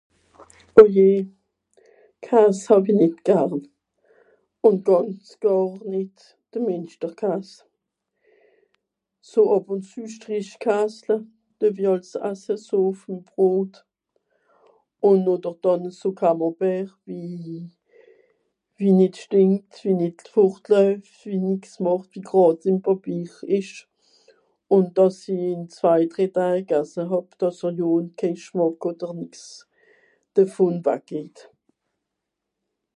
Oyée Kaas hawie nìt garn un gànz gàar nìt de mìnsterkaas so ... strechkaasle d'euwie àls asse so ùff'm Brot un noch doch dànn so Camembert wie wie nìt schtìnckt wie nìt vort'läuf wie nìx màcht wie gràd im pàpier esch un dàss'i zwai drei daai gasse hàb dàss'er lohn keh g'scmàck oder nix dàvon wag'heit